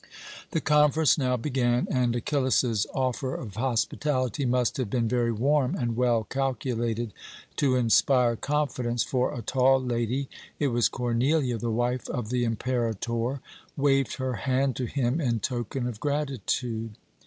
"The conference now began, and Achillas's offer of hospitality must have been very warm and well calculated to inspire confidence, for a tall lady it was Cornelia, the wife of the Imperator waved her hand to him in token of gratitude."